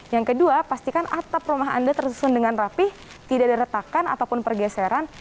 yang kedua pastikan atap rumah anda tersusun dengan rapih tidak ada retakan ataupun pergeseran